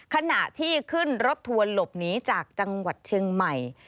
ขณะที่ขึ้นรถทวนหลบหนีจากจเฉียงใหม่